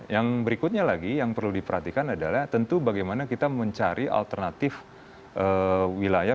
yang berikutnya lagi yang perlu diperhatikan adalah tentu bagaimana kita mencari alternatif wilayah